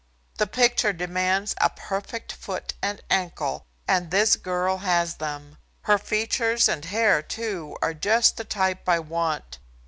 The picture demands a perfect foot and ankle, and this girl has them. Her features and hair, too, are just the type I want.